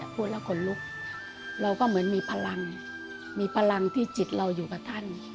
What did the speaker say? พูดแล้วขนลุกเราก็เหมือนมีพลังมีพลังที่จิตเราอยู่กับท่าน